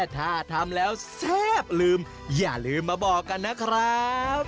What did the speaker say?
ถ้าทำแล้วแซ่บลืมอย่าลืมมาบอกกันนะครับ